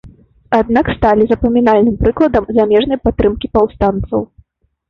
Аднак сталі запамінальным прыкладам замежнай падтрымкі паўстанцаў.